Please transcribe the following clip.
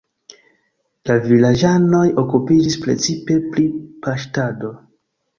La vilaĝanoj okupiĝis precipe pri paŝtado.